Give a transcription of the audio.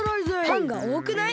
「パン」がおおくない？